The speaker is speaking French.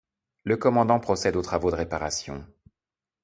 Le commandant procède aux travaux de réparation.